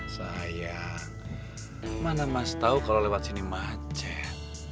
sayang mana mas tahu kalau lewat sini macet